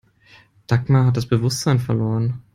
Dagmar hat das Bewusstsein verloren.